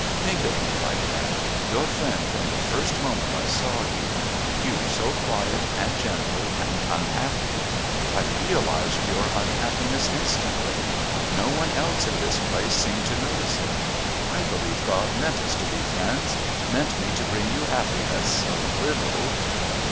Think of me like that. Your friend from the first moment I saw you you so quiet and gentle and unhappy. I realized your unhappiness instantly. No one else in this place seemed to notice it. I believe God meant us to be friends, meant me to bring you happiness a little...."